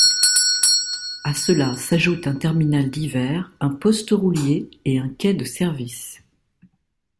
À cela s'ajoutent un terminal divers, un poste roulier et un quai de service.